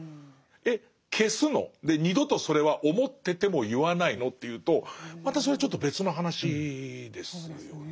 「えっ消すの？で二度とそれは思ってても言わないの？」っていうとまたそれちょっと別の話ですよね。